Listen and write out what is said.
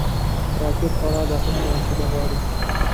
راکټ خورا دقیق محاسبه غواړي